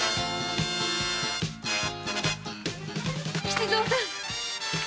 吉蔵さん。